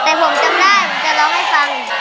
แต่ผมช่างได้อยู่จะร้องให้ฟัง